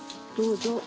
どうぞ。